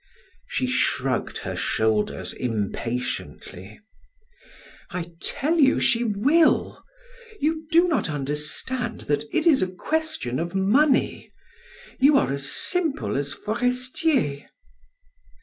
She shrugged her shoulders impatiently. "I tell you she will! You do not understand that it is a question of money you are as simple as Forestier."